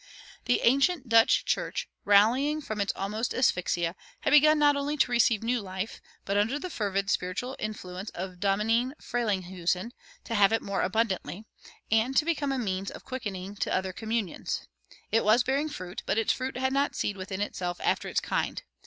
The ancient Dutch church, rallying from its almost asphyxia, had begun not only to receive new life, but, under the fervid spiritual influence of Domine Frelinghuysen, to "have it more abundantly" and to become a means of quickening to other communions. It was bearing fruit, but its fruit had not seed within itself after its kind.